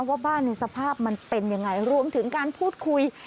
ว่าบ้านในสภาพมันเป็นยังไงรวมถึงการพูดคุย